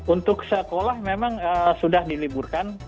untuk sekolah memang sudah diliburkan